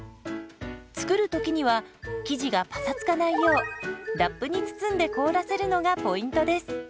作る時には生地がパサつかないようラップに包んで凍らせるのがポイントです。